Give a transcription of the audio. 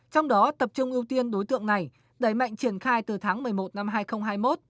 trong đó tập trung ưu tiên đối tượng này đẩy mạnh triển khai từ tháng một mươi một năm hai nghìn hai mươi một